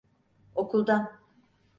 Okuldan.